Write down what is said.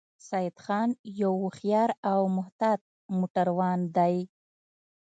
سیدخان یو هوښیار او محتاط موټروان دی